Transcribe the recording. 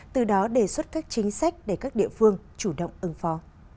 từ đó đề xuất các chính sách để các địa phương chủ động ứng phó